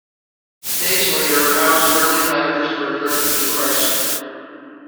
Days later, Harris barely manages to return to the crash site.